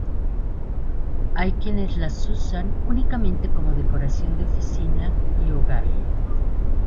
Hay quienes las usan únicamente como decoración de oficina y hogar.